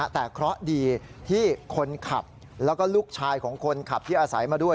แต่เคราะห์ดีที่คนขับแล้วก็ลูกชายของคนขับที่อาศัยมาด้วย